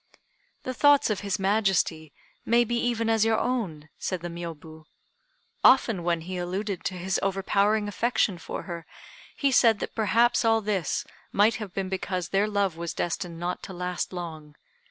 "The thoughts of his Majesty may be even as your own," said the Miôbu. "Often when he alluded to his overpowering affection for her, he said that perhaps all this might have been because their love was destined not to last long.